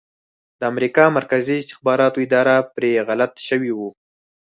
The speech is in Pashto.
د امریکا مرکزي استخباراتو اداره پرې غلط شوي وو